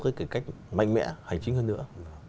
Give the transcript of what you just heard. cải cách mạnh mẽ hành chính hơn nữa